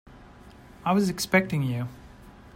I was expecting you.